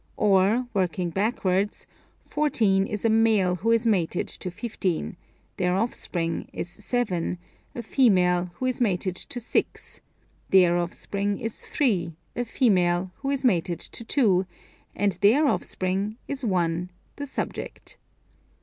Or, working backwards, 14 is a male who is mated to 15 ; their offspring is 7, a female, who is mated to 6 ; their offspring is 3, a female, who is mated to 2, and their offspring is i, the Subject.